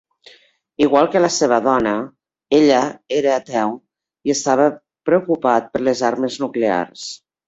Igual que la seva dona, ella era ateu i estava preocupat per les armes nuclears.